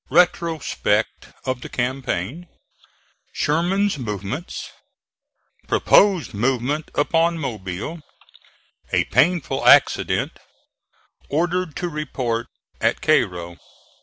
RETROSPECT OF THE CAMPAIGN SHERMAN'S MOVEMENTS PROPOSED MOVEMENT UPON MOBILE A PAINFUL ACCIDENT ORDERED TO REPORT AT CAIRO.